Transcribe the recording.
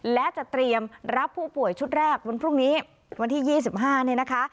และจะเตรียมรับผู้ป่วยชุดแรกวันพรุ่งนี้วันที่๒๕เนี่ยนะคะ